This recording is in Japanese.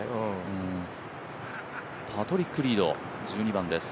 パトリック・リード、１２番です。